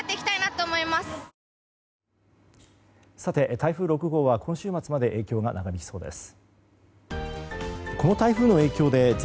台風６号は今週末まで影響が長引きそうです。